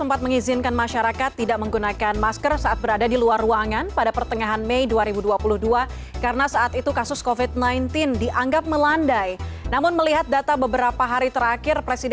pak ginting kepala sub bidang dukungan kesehatan bidang garurat satgas covid sembilan belas